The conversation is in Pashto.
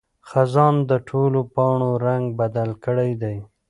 خزان د ټولو پاڼو رنګ بدل کړی دی.